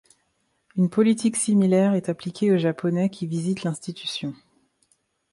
Une politique similaire est appliquée aux Japonais qui visitent l'institution.